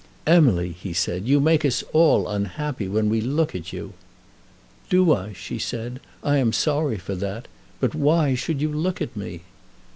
"Emily," he said, "you make us all unhappy when we look at you." "Do I?" she said. "I am sorry for that; but why should you look at me?"